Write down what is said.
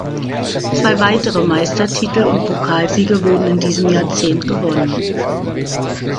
Zwei weitere Meistertitel und Pokalsiege wurden in diesem Jahrzehnt gewonnen.